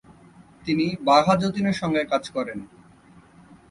তিনি বাঘা যতীনের সঙ্গে কাজ করেন।